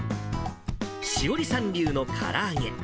詩織さん流のから揚げ。